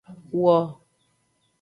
Wo.